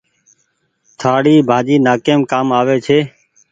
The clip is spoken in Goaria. ٿآڙي ڀآڃي نآڪيم ڪآم آوي ڇي۔